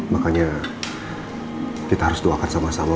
makanya kita harus doakan sama sama